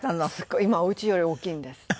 今お家より大きいんです。